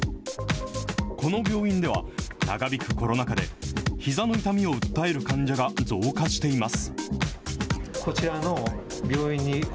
この病院では、長引くコロナ禍でひざの痛みを訴える患者が増加しています。